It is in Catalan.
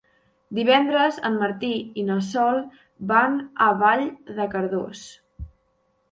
Divendres en Martí i na Sol van a Vall de Cardós.